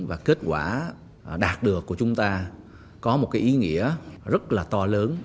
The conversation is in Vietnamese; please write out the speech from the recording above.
và kết quả đạt được của chúng ta có một ý nghĩa rất là to lớn